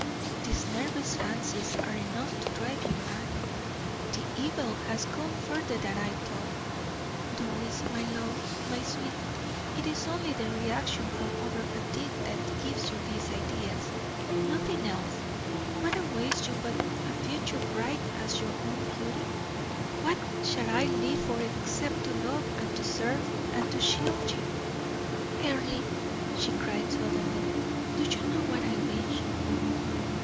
These nervous fancies are enough to drive you mad; the evil has gone further than I thought. Doris, my love, my sweet, it is only the reaction from over fatigue that gives you these ideas, nothing else; what awaits you but a future bright as your own beauty? What shall I live for except to love and to serve and to shield you?" "Earle," she cried suddenly, "do you know what I wish?"